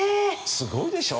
すごいでしょ？